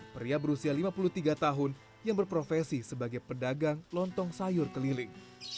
pria berusia lima puluh tiga tahun yang berprofesi sebagai pedagang lontong sayur keliling